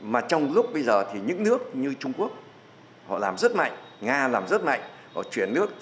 mà trong lúc bây giờ thì những nước như trung quốc họ làm rất mạnh nga làm rất mạnh họ chuyển nước